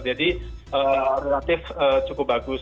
jadi relatif cukup bagus